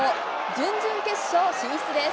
準々決勝進出です。